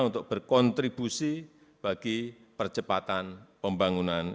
untuk berkontribusi bagi percepatan pembangunan